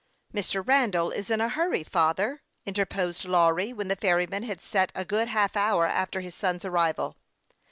" Mr. Randall is in a hurry, father," interposed Lawry, when the ferryman had sat a good half hour after his son's arrival.